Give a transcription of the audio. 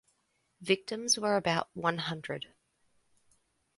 Victims were about one hundred.